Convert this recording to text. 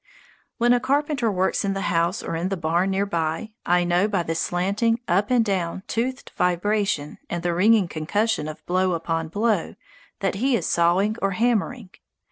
When a carpenter works in the house or in the barn near by, I know by the slanting, up and down, toothed vibration, and the ringing concussion of blow upon blow, that he is sawing or hammering.